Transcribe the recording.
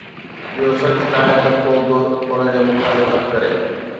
اهو سچ ناهي ته ڪو به ان جي مخالفت ڪري.